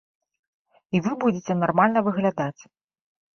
І вы будзеце нармальна выглядаць.